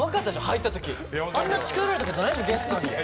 入った時あんな近寄られたことないでしょゲストに。